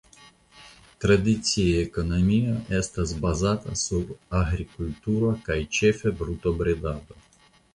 Tradicia ekonomio estis bazata sur agrikulturo kaj ĉefe brutobredado.